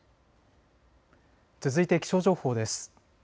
続いて気象情報です。